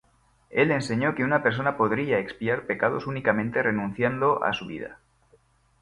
Él enseñó que una persona podría expiar pecados únicamente renunciando a su vida.